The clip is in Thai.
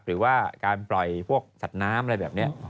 หรือว่าการปล่อยพวกสัตว์น้ำอะไรแบบนี้